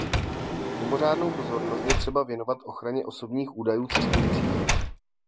Mimořádnou pozornost je třeba věnovat ochraně osobních údajů cestujících.